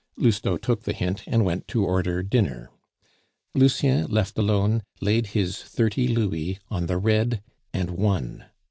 Lousteau took the hint and went to order dinner. Lucien, left alone, laid his thirty louis on the red and won.